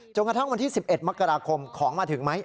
กระทั่งวันที่๑๑มกราคมของมาถึงไหม